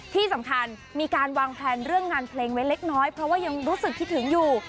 ที่สำคัญมีการวางแพลนเรื่องงานเพลงไว้เล็กน้อยเพราะว่ายังรู้สึกคิดถึงอยู่